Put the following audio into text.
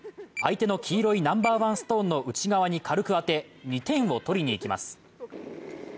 相手の黄色いナンバーワンストーンの内側に軽く当て２点を取りに行きます。